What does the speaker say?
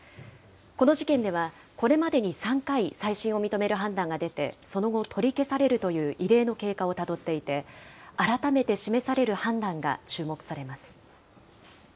この事件では、これまでに３回、再審を認める判断が出て、その後取り消されるという異例の経過をたどっていて、改めて示される判断が注目されます。